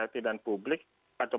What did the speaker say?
dan peran jur mejenteed